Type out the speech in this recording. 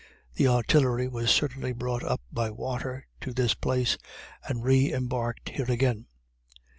The artillery was certainly brought up by water to this place, and reembarked here again.